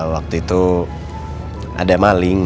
waktu itu ada maling